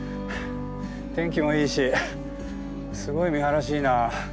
天気もいいしすごい見晴らしいいなぁ。